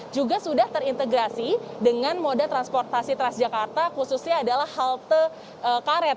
juga sudah terintegrasi dengan moda transportasi transjakarta khususnya adalah halte karet